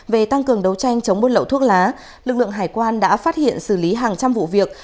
về tăng cường đấu tranh chống buôn lậu thuốc lá lực lượng hải quan đã phát hiện xử lý hàng trăm vụ việc